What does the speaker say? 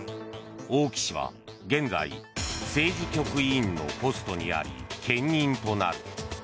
王毅氏は現在政治局委員のポストにあり兼任となる。